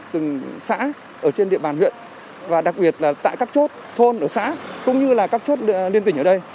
từng xã ở trên địa bàn huyện và đặc biệt là tại các chốt thôn ở xã cũng như là các chốt liên tỉnh ở đây